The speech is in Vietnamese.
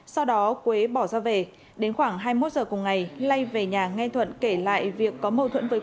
sau đó quế bỏ ra về đến khoảng hai mươi một giờ cùng ngày lay về nhà nghe thuận kể lại việc có mâu thuẫn với